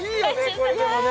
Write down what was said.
これでもね